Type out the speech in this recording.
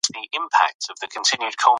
خدای دې موږ بريالي کړي.